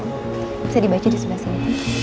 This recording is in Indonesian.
menjadi lawan nino